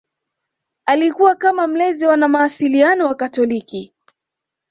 Alikuwa kama mlezi wa wanamawasiliano wakatoliki